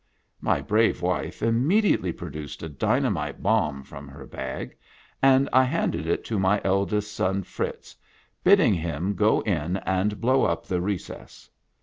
My brave wife immediately produced a dynamite bomb from her bag, and I handed it to my eldest son Fritz, bidding him go in and blow up the recess.